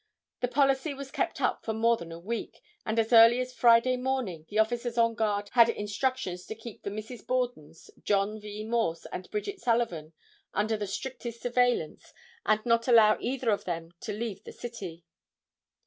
This policy was kept up for more than a week and as early as Friday morning the officers on guard had instructions to keep the Misses Borden, John V. Morse and Bridget Sullivan under the strictest surveillance and not allow either of them to leave the city.